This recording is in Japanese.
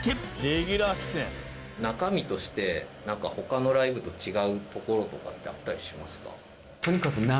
中身として他のライブと違うところとかってあったりしますか？